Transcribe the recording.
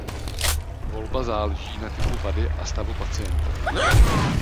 Volba záleží na typu vady a stavu pacienta.